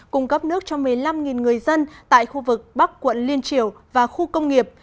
cung cấp nước cho một mươi năm người dân tại khu vực bắc quận liên triều và khu công nghiệp